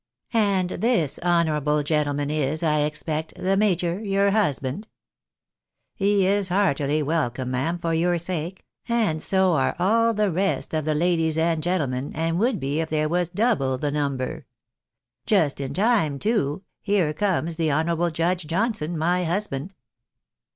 And this honourable gentleman is, I expect, the major, your husband. He is heartily welcome, ma'am, for your sake — and so are all the rest of the ladies and gentlemen, and would be. if there was double the number. Just in time, too, here comes the honourable Judge Johnson, my husband.